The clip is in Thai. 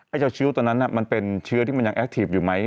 ไอ้เจ้าชิลตัวนั้นน่ะมันเป็นเชื้อที่ยังแอคตีฟอยู่ไหม